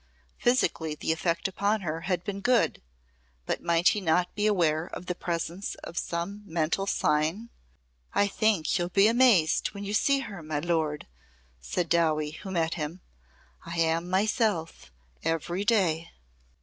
Physically the effect upon her had been good, but might he not be aware of the presence of some mental sign? "I think you'll be amazed when you see her, my lord," said Dowie, who met him. "I am myself, every day."